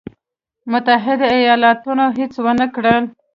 متحدو ایالتونو هېڅ ونه کړل.